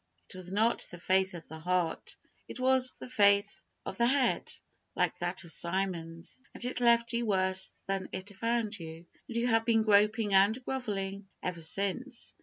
it was not the faith of the heart: it was the faith of the head like that of Simon's and it left you worse than it found you, and you have been groping and grovelling, ever since.